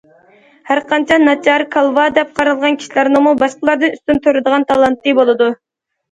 ھەر قانچە‹‹ ناچار››،‹‹ كالۋا›› دەپ قارالغان كىشىلەرنىڭمۇ باشقىلاردىن ئۈستۈن تۇرىدىغان‹‹ تالانتى›› بولىدۇ.